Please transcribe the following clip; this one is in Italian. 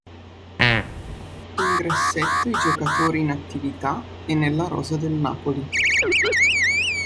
In grassetto i giocatori in attività e nella rosa del Napoli.